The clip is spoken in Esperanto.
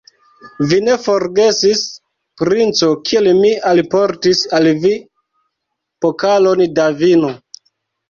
Vi ne forgesis, princo, kiel mi alportis al vi pokalon da vino.